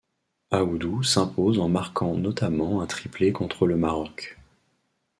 Aoudou s'impose en marquant notamment un triplé contre le Maroc.